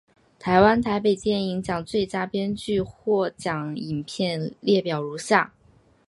台湾台北电影奖最佳编剧获奖影片列表如下。